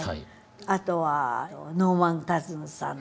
あとはノーマン・カズンズさん。